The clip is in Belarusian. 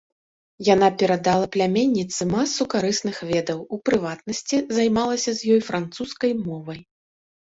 Яна перадала пляменніцы масу карысных ведаў, у прыватнасці, займалася з ёй французскай мовай.